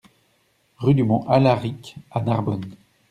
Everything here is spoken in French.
Rue du Mont Alaric à Narbonne